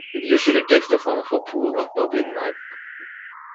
It usually takes the form of a pool of bubbling mud.